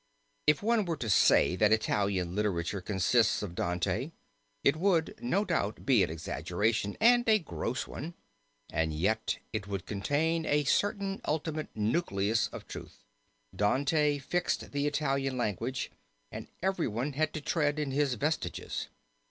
If one were to say that Italian literature consists of Dante, it would, no doubt, be an exaggeration, and a gross one, and yet it would contain a certain ultimate nucleus of truth." "Dante fixed the Italian language, and everyone had to tread in his vestiges.